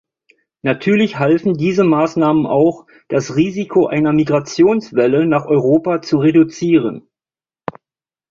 Natürlich halfen diese Maßnahmen auch, das Risiko einer Migrationswelle nach Europa zu reduzieren.